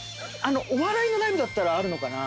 お笑いのライブだったらあるのかな？